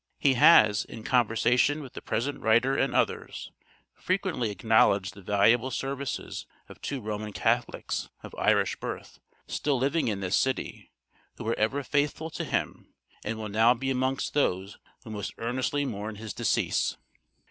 He has, in conversation with the present writer and others, frequently acknowledged the valuable services of two Roman Catholics, of Irish birth, still living in this city, who were ever faithful to him, and will now be amongst those who most earnestly mourn his decease.